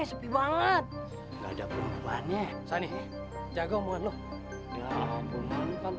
sekarang kalian bertiga boleh istirahat